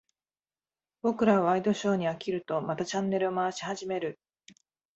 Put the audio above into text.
僕らはワイドショーに飽きると、またチャンネルを回し始める。